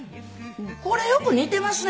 これよく似ていますね。